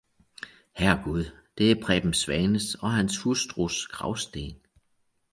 Herregud, det er Preben Svanes og hans hustrus gravsten!